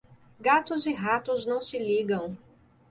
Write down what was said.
Gatos e ratos não se ligam.